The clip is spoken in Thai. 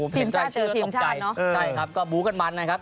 ทีมชาติเจอทีมชาติเนอะใช่ครับก็บุกกันมันนะครับ